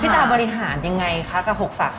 การที่บูชาเทพสามองค์มันทำให้ร้านประสบความสำเร็จ